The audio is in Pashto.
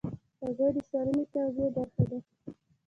هګۍ د سالمې تغذیې برخه ده.